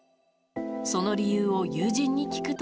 その理由を友人に聞くと。